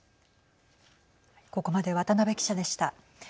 ここまで渡辺記者でした。